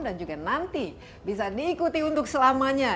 dan juga nanti bisa diikuti untuk selamanya